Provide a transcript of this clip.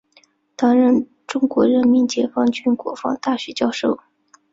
担任中国人民解放军国防大学教授。